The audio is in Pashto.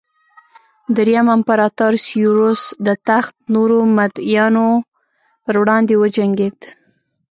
درېیم امپراتور سېوروس د تخت نورو مدعیانو پر وړاندې وجنګېد